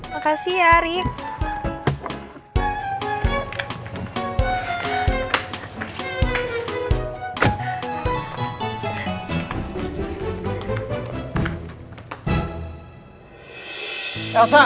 makasih ya rick